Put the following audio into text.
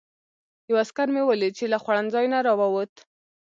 یو عسکر مې ولید چې له خوړنځای نه راووت.